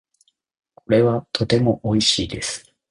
これはとても美味しいです。